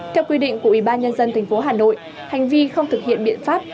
theo quy định của ủy ban nhân dân thành phố hà nội hành vi không thực hiện biện pháp